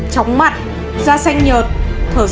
chóng mặt da xanh nhợt thở rớt